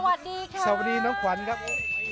สวัสดีครับสวัสดีน้องขวัญครับสวัสดีครับสวัสดี